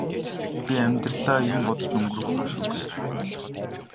би амьдралаа юм бодож өнгөрөөхгүй шүү гэв.